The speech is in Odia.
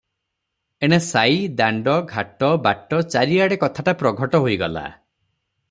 ଏଣେ ସାଇ, ଦାଣ୍ଡ, ଘାଟ, ବାଟ, ଚାରିଆଡ଼େ କଥାଟା ପ୍ରଚାର ହୋଇଗଲା ।